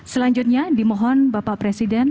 selanjutnya dimohon bapak presiden